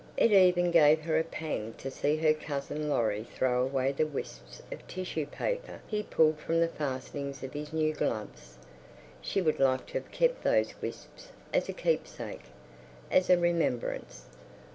It even gave her a pang to see her cousin Laurie throw away the wisps of tissue paper he pulled from the fastenings of his new gloves. She would like to have kept those wisps as a keepsake, as a remembrance.